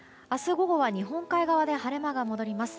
午後は日本海側で晴れ間が戻ります。